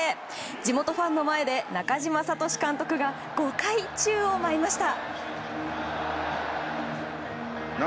地元ファンの前で、中嶋聡監督が５回宙を舞いました。